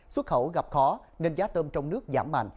xuất khẩu gặp khó nên giá tôm trong nước giảm mạnh